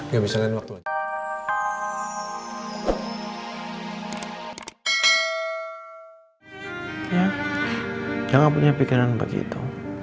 ya aku punya pikiran begitu